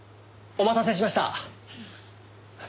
お待たせしました。